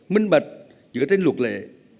minh bạch giữa tên luật lệ